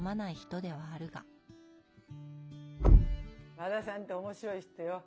和田さんって面白い人よ。